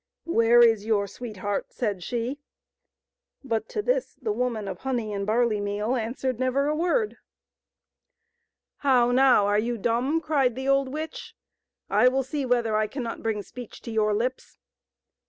" Where is your sweetheart ?" said she ; but to this the woman of honey and barley meal answered never a word. 240 THE SWAN MAIDEN. " How now ! are you dumb?" cried the old witch; " I will see whether I cannot bring speech to your lips."